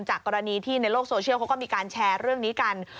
กรณีที่ในโลกโซเชียลเขาก็มีการแชร์เรื่องนี้กัน